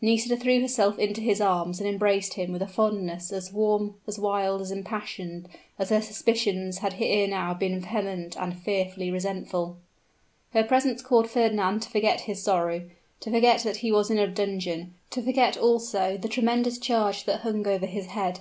Nisida then threw herself into his arms, and embraced him with a fondness as warm, as wild, as impassioned as her suspicions had ere now been vehement and fearfully resentful. Her presence caused Fernand to forget his sorrow to forget that he was in a dungeon to forget, also, the tremendous charge that hung over his head.